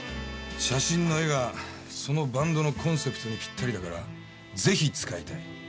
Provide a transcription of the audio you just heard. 写真の絵がそのバンドのコンセプトにぴったりだからぜひ使いたい。